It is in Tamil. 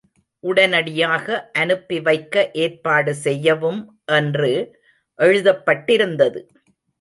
உடனடியாக அனுப்பி வைக்க ஏற்பாடு செய்யவும் என்று எழுதப்பட்டிருந்தது.